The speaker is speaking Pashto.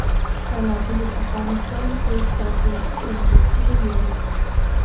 تالابونه د افغانستان په ستراتیژیک اهمیت کې رول لري.